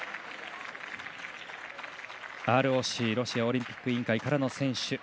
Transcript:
ＲＯＣ＝ロシアオリンピック委員会からの選手。